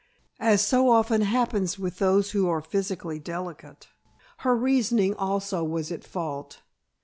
As so often happens with those who are physically delicate, her reasoning also was at fault.